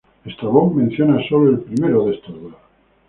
Estrabón menciona solo el primero de estos dos.